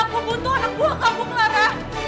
aku butuh anak buah kamu clara